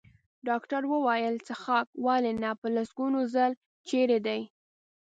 ډاکټر وویل: څښاک؟ ولې نه، په لسګونو ځل، چېرې دی؟